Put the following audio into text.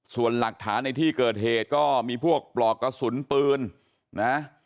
ส่วนหลักฐานในที่เกิดเหตุก็มีพวกปลอกกระสุนปืนนะ